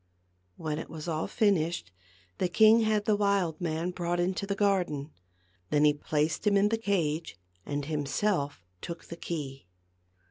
When it was all finished the king had the wild man brought into the garden. Then he placed him in the cage and himself took the key.